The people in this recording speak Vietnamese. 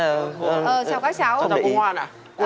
chào các cháu